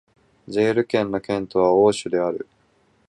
ジェール県の県都はオーシュである